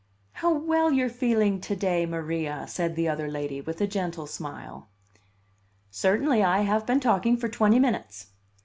"How well you're feeling to day, Maria!" said the other lady, with a gentle smile. "Certainly. I have been talking for twenty minutes."